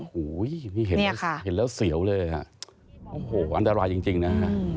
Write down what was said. เห็นแล้วเสียวเลยอันตรายจริงนะ